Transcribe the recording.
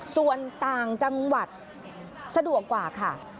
ส่วนต่างจังหวัดสะดวกกว่าค่ะ